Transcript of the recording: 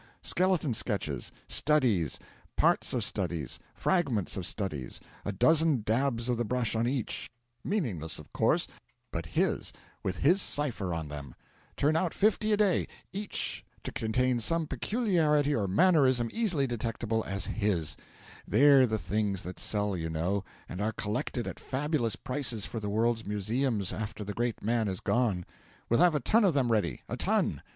skeleton sketches, studies, parts of studies, fragments of studies, a dozen dabs of the brush on each meaningless, of course, but his, with his cipher on them; turn out fifty a day, each to contain some peculiarity or mannerism easily detectable as his they're the things that sell, you know, and are collected at fabulous prices for the world's museums, after the great man is gone; we'll have a ton of them ready a ton!